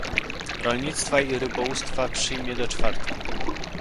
Rolnictwa i Rybołówstwa przyjmie do czwartku